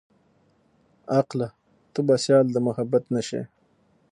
عقله ته به سيال د محبت نه شې.